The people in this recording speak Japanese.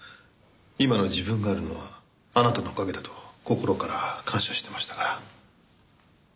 今の自分があるのはあなたのおかげだと心から感謝してましたから。